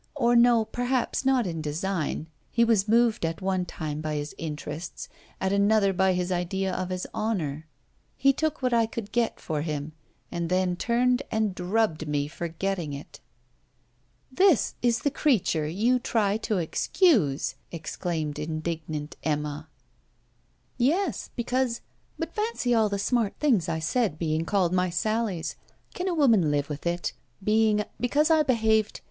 Or no, perhaps not in design. He was moved at one time by his interests; at another by his idea of his honour. He took what I could get for him, and then turned and drubbed me for getting it.' 'This is the creature you try to excuse!' exclaimed indignant Emma. 'Yes, because but fancy all the smart things I said being called my "sallies"! can a woman live with it? because I behaved...